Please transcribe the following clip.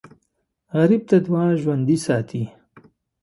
غریب ته دعا ژوندي ساتي